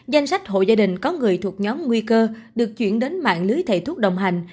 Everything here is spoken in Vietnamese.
danh sách hộ gia đình có người thuộc nhóm nguy cơ được chuyển đến mạng lưới thầy thuốc đồng hành